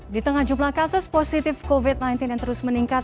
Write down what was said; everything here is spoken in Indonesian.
di tengah jumlah kasus positif covid sembilan belas yang terus meningkat